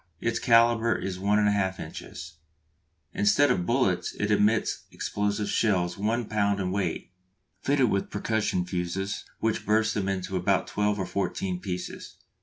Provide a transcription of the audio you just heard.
Its calibre is 1 1/2 inches. Instead of bullets it emits explosive shells 1 lb. in weight, fitted with percussion fuses which burst them into about twelve or fourteen pieces.